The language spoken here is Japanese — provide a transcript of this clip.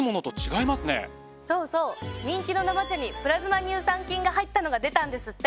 そうそう人気の生茶にプラズマ乳酸菌が入ったのが出たんですって。